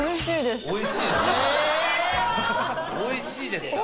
おいしいですか？